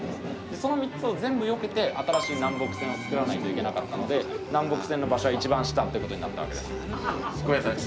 その３つを全部よけて新しい南北線を造らないといけなかったので南北線の場所は一番下ってことになったわけです。